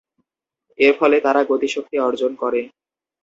এর ফলে তারা গতিশক্তি অর্জন করে।